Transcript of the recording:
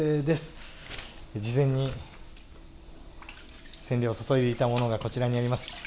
事前に染料を注いでいたものがこちらにあります。